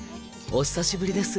お久しぶりです